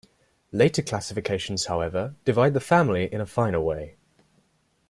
Later classifications, however, divide the family in a finer way.